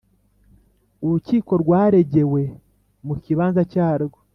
Urukiko rwaregewe mu kibanza cyarwo